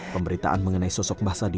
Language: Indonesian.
pemberitaan mengenai sosok mbah sadi